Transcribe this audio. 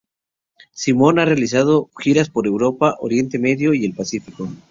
Simon ha realizado giras por Europa, Oriente Medio y el Pacífico.